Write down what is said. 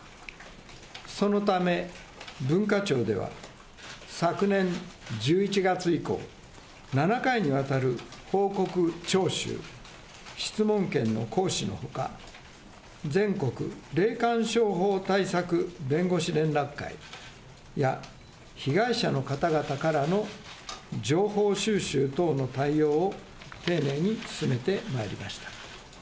そのため文化庁では、昨年１１月以降、７回にわたる報告徴収、質問権の行使のほか、全国霊感商法対策弁護士連絡会や、被害者の方々からの情報収集等の対応を丁寧に進めてまいりました。